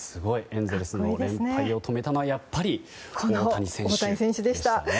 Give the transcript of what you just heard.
エンゼルスの連敗を止めたのはやっぱり大谷選手でしたね。